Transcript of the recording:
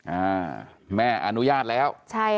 อ่าแม่อนุญาตแล้ว